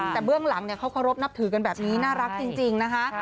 แต่เบื้องหลังเขาเคารพนับถือกันแบบนี้น่ารักจริงนะคะ